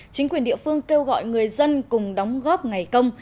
chính quyền địa phương kêu gọi người dân cùng đóng góp ngày công